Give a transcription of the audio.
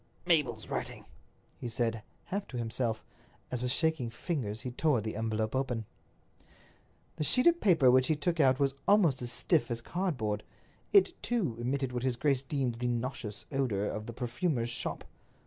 "Mabel's writing," he said, half to himself, as, with shaking fingers, he tore the envelope open. The sheet of paper which he took out was almost as stiff as cardboard. It, too, emitted what his grace deemed the nauseous odors of the perfumer's shop.